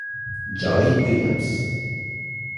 Joy Williams